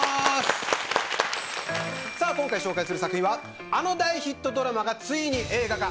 今回紹介する作品はあの大ヒットドラマがついに映画化。